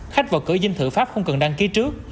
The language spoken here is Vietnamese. khách vào cửa dinh thự pháp không cần đăng ký trước